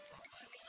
pokoknya habis sih